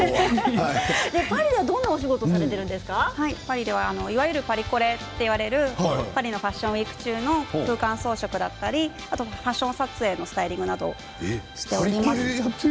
パリではどんなお仕事をいわゆるパリコレと言われるパリのファッションウイーク中の空間装飾だったりファッション撮影のスタイリングなどをしております。